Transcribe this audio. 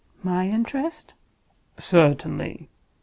"My interest?" "Certainly.